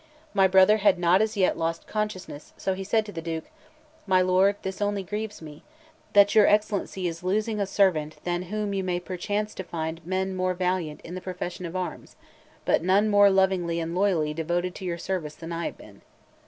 My brother had not as yet lost consciousness; so he said to the Duke: "My lord, this only grieves me, that your Excellency is losing a servant than whom you may perchance find men more valiant in the profession of arms, but none more lovingly and loyally devoted to your service than I have been."